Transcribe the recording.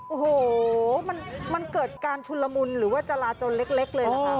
โอ้โหมันเกิดการชุนละมุนหรือว่าจราจนเล็กเลยนะคะ